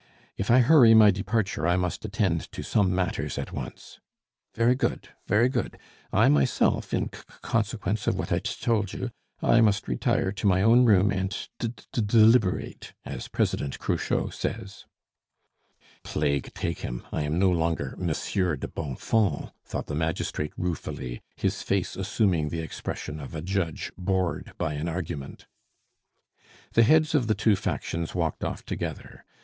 "If I hurry my departure, I must attend to some matters at once." "Very good, very good! I myself in c consequence of what I t told you I must retire to my own room and 'd d deliberate,' as President Cruchot says." "Plague take him! I am no longer Monsieur de Bonfons," thought the magistrate ruefully, his face assuming the expression of a judge bored by an argument. The heads of the two factions walked off together.